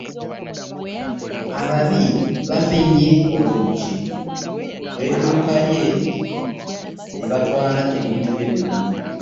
Ababbi baamenye oluggi lw'edduuka lye ne batwala ebintu bye byonna.